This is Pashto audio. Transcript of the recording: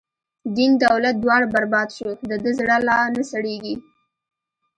دین دولت دواړه بر باد شو، د ده زړه لا نه سړیږی